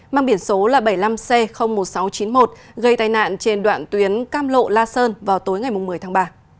mang biển số là bảy mươi năm c một nghìn sáu trăm chín mươi một gây tai nạn trên đoạn tuyến cam lộ la sơn vào tối ngày một mươi tháng ba